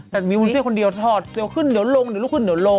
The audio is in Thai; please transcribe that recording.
แต่มีวุ้นเส้นคนเดียวถอดเดี๋ยวขึ้นเดี๋ยวลงเดี๋ยวลุกขึ้นเดี๋ยวลง